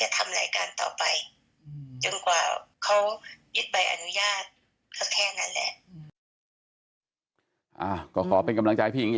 แต่ตอนนี้พี่กำไรชีวิตมา๑๙วันแล้วอ่ะ